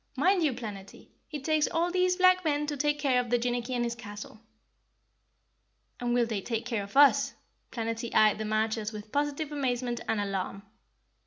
Mind you, Planetty, it takes all these black men to take care of Jinnicky and his castle." "And will they take care of us?" Planetty eyed the marchers with positive amazement and alarm.